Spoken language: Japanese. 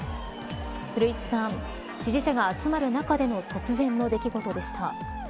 古市さん支持者が集まる中での突然の出来事でした。